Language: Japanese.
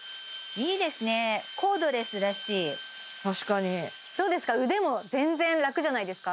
きれいコードレスだし確かにどうですか腕も全然楽じゃないですか？